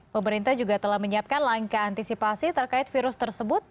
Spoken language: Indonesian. pemerintah juga telah menyiapkan langkah antisipasi terkait virus tersebut